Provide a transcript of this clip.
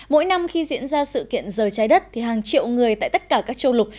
mỗi năm khi diễn ra sự kiện giờ trái đất thì hàng triệu người tại tất cả các châu lục